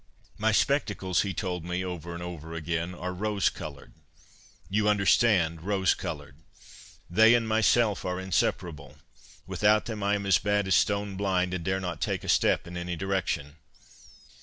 ' My spectacles,' he told me, over and over again, ' are rose coloured. You understand, rose coloured. They and myself are inseparable. Without them I 107 108 CONFESSIONS OF A BOOK LOVER am as bad as stone blind, and dare not take a step in any direction.'